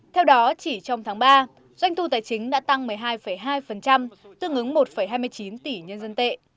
theo đó chỉ trong tháng ba doanh thu tài chính đã tăng một mươi hai hai tương ứng một hai mươi chín tỷ nhân dân tệ